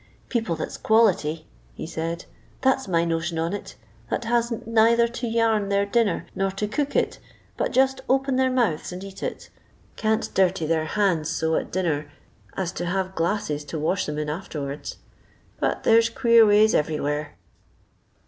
" People that 's quality," he said, " that 's my notion on it, that hasn't neither to yam their dinner, nor to cook it, but just open their mouths and eat it, can't dirty their hands so at dinner as to have glasses to wash 'em in arterards. But there 's queer ways everywhere."